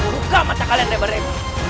ruka mata kalian reberen